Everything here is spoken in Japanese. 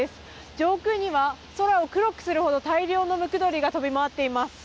上空には空を黒くするほど大量のムクドリが飛び回っています。